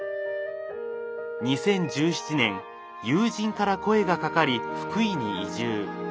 ２０１７年友人から声がかかり福井に移住。